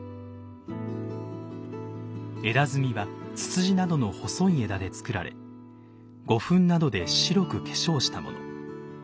枝炭はツツジなどの細い枝で作られ胡粉などで白く化粧したもの。